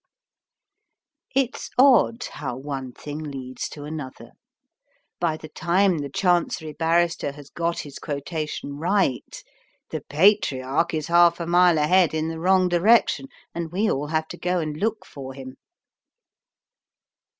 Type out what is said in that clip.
'" It's odd how one thing leads to another. By the time the Chancery Barrister has got his quotation right, the Patriarch is half a mile ahead in the wrong direction, and we all have to go and look for him.